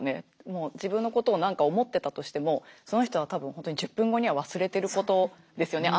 もう自分のことを何か思ってたとしてもその人は多分本当に１０分後には忘れてることですよね。